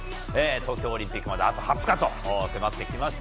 東京オリンピックまであと２０日と迫ってきました。